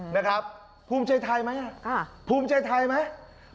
นะครับภูมิใจไทยไหมภูมิใจไทยไหม